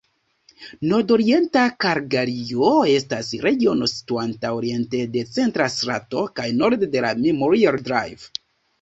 Nordorienta Kalgario estas regiono situanta oriente de Centra Strato kaj norde de Memorial Drive.